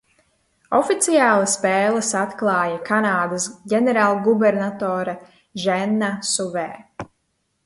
Oficiāli spēles atklāja Kanādas ģenerālgubernatore Ženna Suvē.